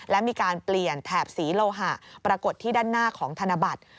และมีการเปลี่ยนแถบสีโลหะปรากฏที่ด้านหน้าของธนบัตร